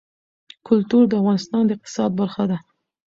کلتور د افغانستان د اقتصاد برخه ده.